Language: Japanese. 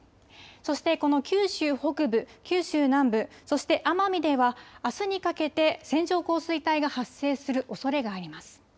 そしてこの九州北部、九州南部、そして奄美ではあすにかけて線状降水帯が発生するおそれがあります。